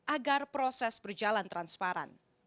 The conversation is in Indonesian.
agar proses berjalan transparan